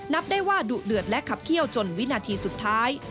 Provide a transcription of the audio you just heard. นับได้ว่าดุเดือดและขับเขี้ยวจนวินาทีสุดท้าย